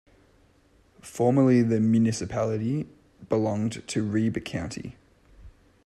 Formerly the municipality belonged to Ribe County.